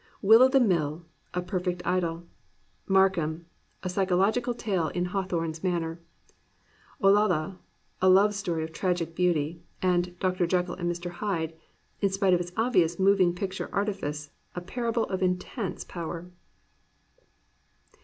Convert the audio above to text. Will o' the Mill is a perfect idyl; Markheim, a psychological tale in Hawthorne's manner; Olalla, a love story of tragic beauty; and Dr. JekyU and Mr. Hyde, in spite of its obvious mo\ang picture artifice, a parable of intense power.